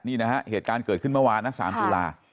นี่นะฮะเหตุการณ์เกิดขึ้นเมื่อวานนะ๓ตุลา